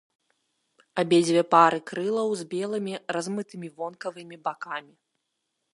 Абедзве пары крылаў з белымі, размытымі вонкавымі бакамі.